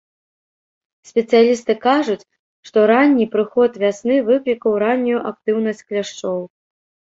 Спецыялісты кажуць, што ранні прыход вясны выклікаў раннюю актыўнасць кляшчоў.